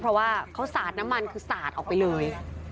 เพราะว่าเขาสาดน้ำมันคือสาดออกไปเลย